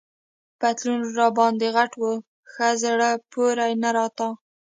پتلون راباندي غټ وو، ښه زړه پورې نه راته.